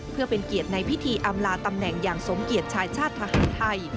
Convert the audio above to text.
เพื่อเป็นเกียรติในพิธีอำลาตำแหน่งอย่างสมเกียจชายชาติทหารไทย